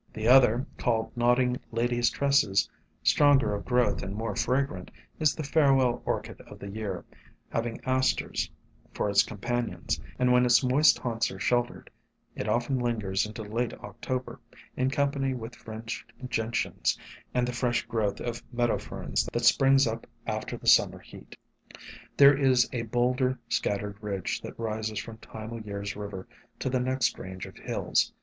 The other, called Nodding Ladies' Tresses, stronger of growth and more fragrant, is the farewell Orchid of the year, having Asters for its companions; and when its moist haunts are sheltered, it often lingers into late October, in company with Fringed Gen tians, and the fresh growth of Meadow Ferns that springs up after the Summer heat. There is a boulder scattered ridge that rises from Time o' Year's river to the next range of hills.